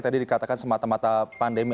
tadi dikatakan semata mata pandemi